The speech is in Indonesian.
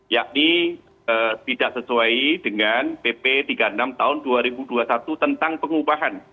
yakni tidak sesuai dengan pp tiga puluh enam tahun dua ribu dua puluh satu tentang pengupahan